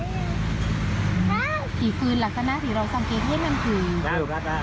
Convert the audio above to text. ภารกิจฟืนลักษณะที่เราสังเกตให้มันคือ